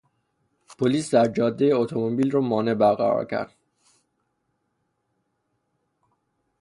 پلیس در جادهی اتومبیل رو مانع برقرار کرد.